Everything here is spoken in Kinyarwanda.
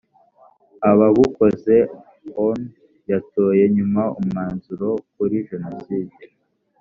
ababukoze onu yatoye nyuma umwanzuro kuri jenoside